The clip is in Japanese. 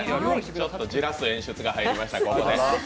ちょっとじらす演出が入りました、ここで。